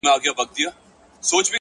ستادی .ستادی.ستادی فريادي گلي.